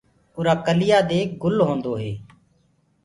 اُرآ ڪليآ دي گُل هودو هي۔